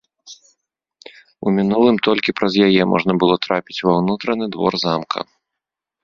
У мінулым толькі праз яе можна было трапіць ва ўнутраны двор замка.